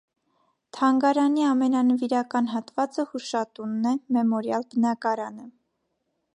Թանգարանի ամենանվիրական հատվածը հուշատունն է՝ մեմորիալ բնակարանը։